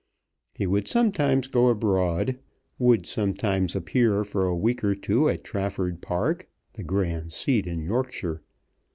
He would sometimes go abroad, would sometimes appear for a week or two at Trafford Park, the grand seat in Yorkshire.